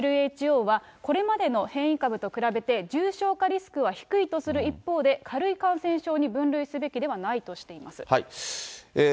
ＷＨＯは、これまでの変異株と比べて重症化リスクは低いとする一方で、軽い感染症に分類すべきではないとしています。